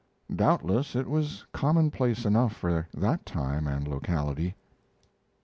Doubtless it was commonplace enough for that time and locality. V.